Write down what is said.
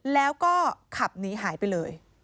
แล้วก็ขับหนีหายไปเลย